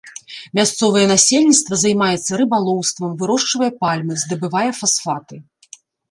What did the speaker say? Мясцовае насельніцтва займаецца рыбалоўствам, вырошчвае пальмы, здабывае фасфаты.